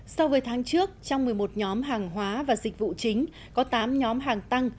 so với tháng trước trong một mươi một nhóm hàng hóa và dịch vụ chính có tám nhóm hàng tăng